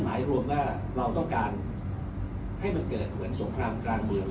หมายรวมว่าเราต้องการให้มันเกิดเหมือนสงครามกลางเมือง